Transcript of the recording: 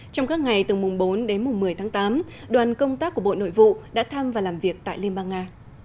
trong các ngày từ mùng bốn đến mùng một mươi tháng tám đoàn công tác của bộ nội vụ đã thăm và làm việc tại liên bang nga